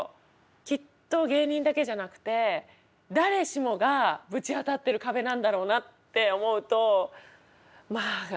きっと芸人だけじゃなくて誰しもがぶち当たってる壁なんだろうなって思うとまあここの時期乗り越えるかって思って。